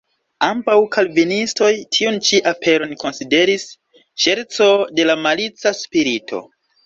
Ambaŭ kalvinistoj tiun ĉi aperon konsideris ŝerco de malica spirito.